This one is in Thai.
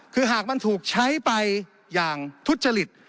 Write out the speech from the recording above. คือหากมันถูกใช้ไปอย่างทุจริต